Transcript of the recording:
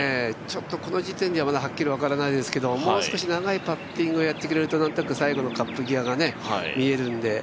ちょっとこの時点でははっきり分からないですけどもう少し長いパッティングをやってくれるとなんとなく、最後のカップ際が見えるんで。